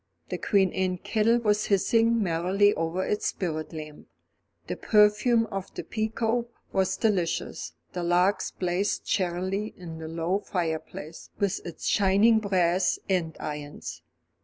The Queen Anne kettle was hissing merrily over its spirit lamp, the perfume of the pekoe was delicious, the logs blazed cheerily in the low fireplace, with its shining brass andirons.